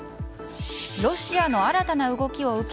ロシアの新たな動きを受け